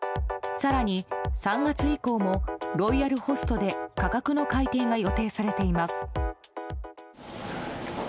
更に、３月以降もロイヤルホストで価格の改定が予定されています。